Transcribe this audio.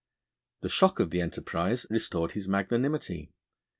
The shock of the enterprise restored his magnanimity.